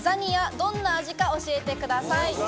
どんな味か教えてください。